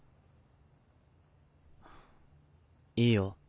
いいよ。